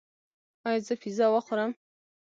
ایا زه پیزا وخورم؟